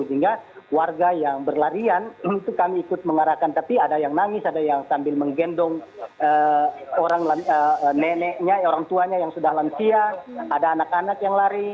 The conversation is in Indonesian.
sehingga warga yang berlarian itu kami ikut mengarahkan tapi ada yang nangis ada yang sambil menggendong neneknya orang tuanya yang sudah lansia ada anak anak yang lari